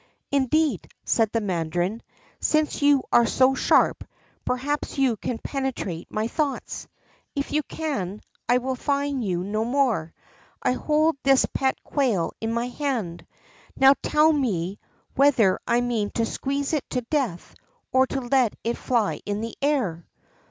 "Indeed," said the mandarin, "since you are so sharp, perhaps you can penetrate my thoughts. If you can, I will fine you no more. I hold this pet quail in my hand; now tell me whether I mean to squeeze it to death, or to let it fly in the air."